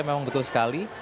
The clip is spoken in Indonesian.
memang betul sekali